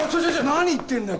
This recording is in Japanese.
何言ってんだよ